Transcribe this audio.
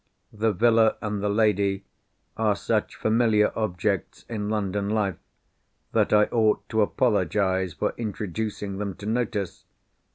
The villa and the lady are such familiar objects in London life, that I ought to apologise for introducing them to notice.